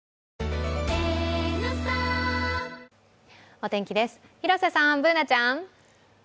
お天気です、広瀬さん、Ｂｏｏｎａちゃん。